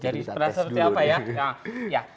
jadi penasaran seperti apa ya